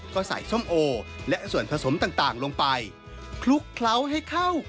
ก็ใส่ส้มโอและส่วนผสมต่างลงไป